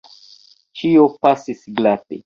Ĉio pasis glate.